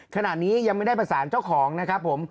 ขณะนี้ยังไม่ได้ประสานเจ้าของนะครับผม